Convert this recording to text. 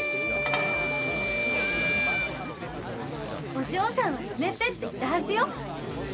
お嬢さんはやめてって言ったはずよ。